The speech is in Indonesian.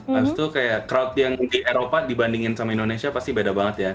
habis itu kayak crowd yang di eropa dibandingin sama indonesia pasti beda banget ya